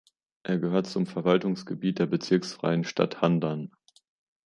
Er gehört zum Verwaltungsgebiet der bezirksfreien Stadt Handan.